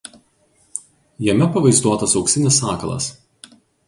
Jame pavaizduotas auksinis sakalas.